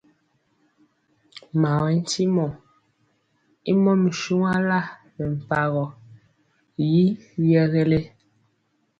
Mawɛtyimɔ y mɔmir shuanla bɛ mparoo y yɛgɛle.